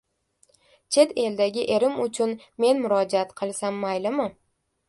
"Chet eldagi erim uchun men murojaat qilsam maylimi?"